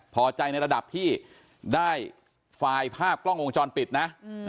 พอใจในระดับที่ได้ไฟล์ภาพกล้องวงจรปิดนะ